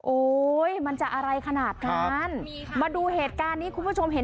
โอ้ยมันจะอะไรขนาดนั้นมาดูเหตุการณ์นี้คุณผู้ชมเห็น